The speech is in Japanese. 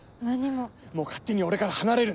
もう勝手に俺から離れるな。